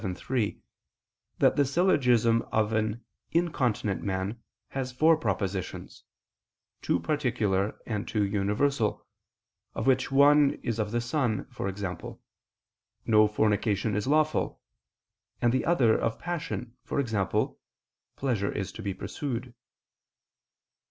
vii, 3) that the syllogism of an incontinent man has four propositions, two particular and two universal, of which one is of the son, e.g. No fornication is lawful, and the other, of passion, e.g. Pleasure is to be pursued.